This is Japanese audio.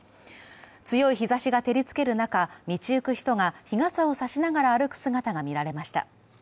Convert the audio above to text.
強い日ざしが照りつける中、道行く人が日傘を差しながら歩く姿が見られました。